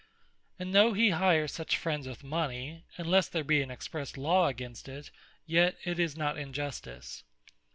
And though he hire such friends with mony, (unlesse there be an expresse Law against it,) yet it is not Injustice.